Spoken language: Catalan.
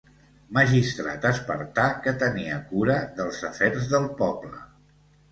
Magistrat espartà que tenia cura dels afers del poble.